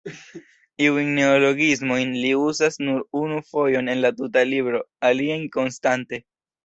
Iujn neologismojn li uzas nur unu fojon en la tuta libro, aliajn konstante.